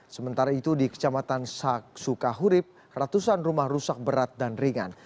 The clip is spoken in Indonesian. sementara itu di kecamatan sak sukahurip ratusan rumah rusak berat dan ringan